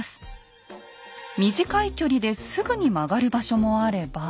短い距離ですぐに曲がる場所もあれば。